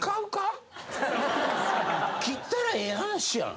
切ったらええ話やん。